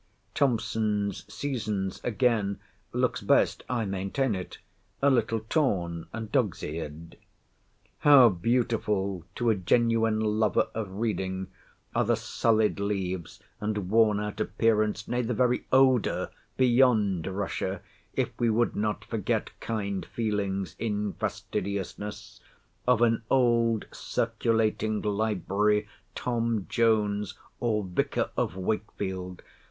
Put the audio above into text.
Thomson's Seasons, again, looks best (I maintain it) a little torn, and dog's eared. How beautiful to a genuine lover of reading are the sullied leaves, and worn out appearance, nay, the very odour (beyond Russia), if we would not forget kind feelings in fastidiousness, of an old "Circulating Library" Tom Jones, or Vicar of Wakefield!